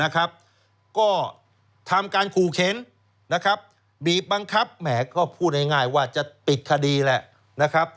ก็ทำการขู่เข็นบีบบังคับแหมก็พูดง่ายว่าจะปิดคดีแหละนะครับ